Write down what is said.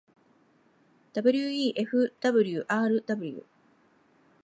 wefwrw